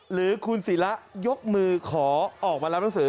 หรือคุณศิระยกมือขอออกมารับหนังสือ